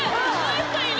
いる！